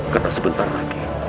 karena sebentar lagi